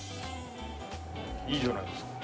いいじゃないですか。